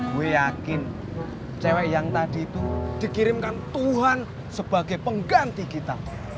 gue yakin cewek yang tadi itu dikirimkan tuhan sebagai pengganti kita